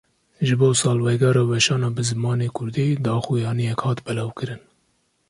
Ji bo salvegera weşana bi zimanê Kurdî, daxuyaniyek hat belavkirin